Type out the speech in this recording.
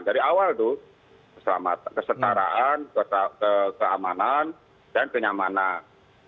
dari awal tuh kesetaraan keamanan dan kenyamanan